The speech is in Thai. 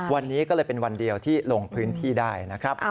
วันนี้ก็เลยเป็นวันเดียวที่ลงพื้นที่ได้นะครับ